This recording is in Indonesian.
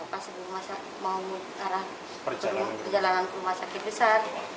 pasir rumah sakit muhammadiyah perjalanan ke rumah sakit besar